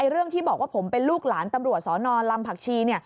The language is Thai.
เรื่องที่บอกว่าผมเป็นลูกหลานตำรวจสนลำผักชี